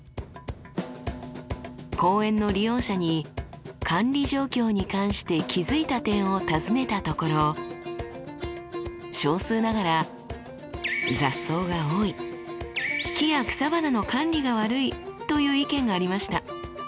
公園の利用者に管理状況に関して気付いた点を尋ねたところ少数ながら雑草が多い木や草花の管理が悪いという意見がありました。